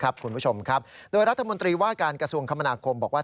กาลกระทรัพย์กรกศัตรูคัมภิกัสมาสีบอกว่า